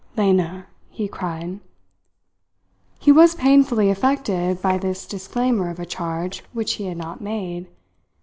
"Lena!" he cried. He was painfully affected by this disclaimer of a charge which he had not made.